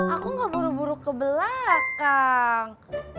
aku gak buru buru ke belakang